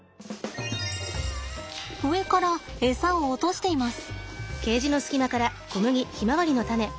上からエサを落としています。